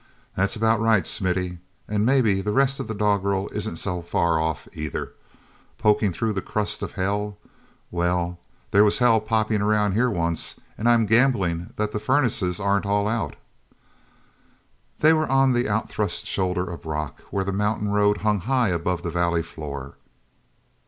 "That's about right, Smithy. And maybe the rest of the doggerel isn't so far off either. 'Pokin' through the crust of hell'—well, there was hell popping around here once, and I am gambling that the furnaces aren't all out." They were on the outthrust shoulder of rock where the mountain road hung high above the valley floor.